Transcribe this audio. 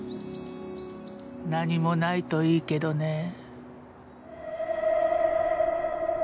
何もないといいけどね。